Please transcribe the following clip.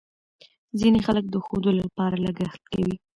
ځینې خلک د ښودلو لپاره لګښت کوي.